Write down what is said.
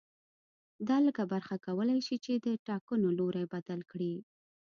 دا لږه برخه کولای شي چې د ټاکنو لوری بدل کړي